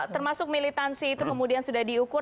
termasuk militansi itu kemudian sudah diukur